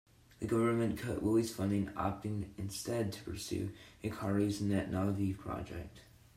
The government cut Wily's funding, opting instead to pursue Hikari's NetNavi project.